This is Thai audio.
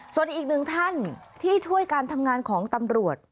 ส่วนอีกหนึ่งท่านที่ช่วยการทำงานของตำรวจ